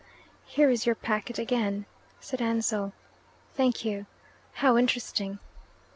"Here is your packet again," said Ansell. "Thank you. How interesting!"